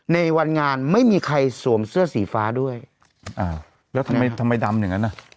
ในวันงานไม่มีใครสวมเสื้อสีฟ้าด้วยอ่าแล้วทำไมทำไมดำอย่างนั้นอ่ะ